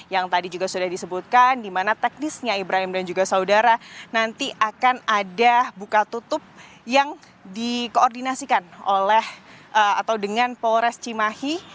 yang tadi juga sudah disebutkan di mana teknisnya ibrahim dan juga saudara nanti akan ada buka tutup yang dikoordinasikan oleh atau dengan polres cimahi